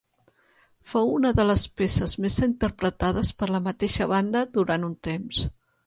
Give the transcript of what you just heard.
Fou una de les peces més interpretades per la mateixa banda durant un temps.